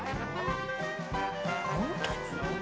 本当に？